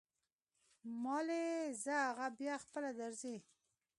مالې ځه اغه بيا خپله درځي.